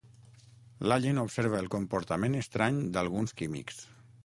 L'Allen observa el comportament estrany d'alguns químics.